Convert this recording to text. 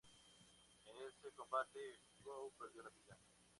En ese combate Gou perdió la vida.